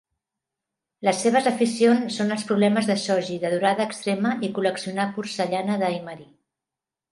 Les seves aficions són els problemes de shogi de durada extrema i col·leccionar porcellana de Imari.